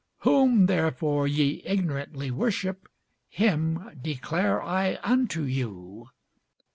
Whom therefore ye ignorantly worship, him declare I unto you.